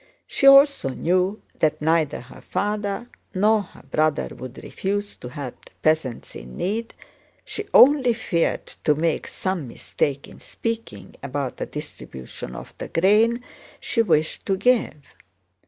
She also knew that neither her father nor her brother would refuse to help the peasants in need, she only feared to make some mistake in speaking about the distribution of the grain she wished to give.